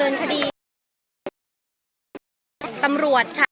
มีแต่โดนล้าลาน